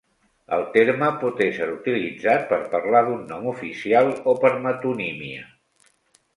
El terme pot ésser utilitzat per parlar d'un nom oficial o per metonímia.